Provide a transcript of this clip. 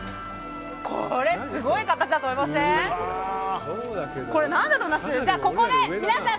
これ、すごいと思いません？